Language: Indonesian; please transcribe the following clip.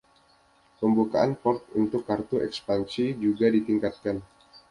Pembukaan port untuk kartu ekspansi juga ditingkatkan.